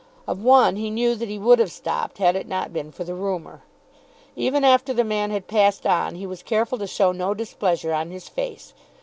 Of one he knew that he would have stopped, had it not been for the rumour. Even after the man had passed on he was careful to show no displeasure on his face.